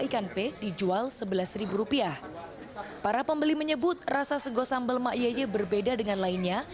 ikan pe di jual rp sebelas para pembeli menyebut rasa segosambal mak ye ye berbeda dengan lainnya